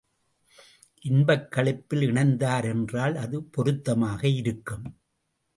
இன்பக் களிப்பில் இணைந்தார் என்றால் அது பொருத்தமாக இருக்கும்.